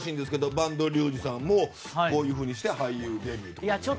播戸竜二さんもこういうふうにして俳優デビューという。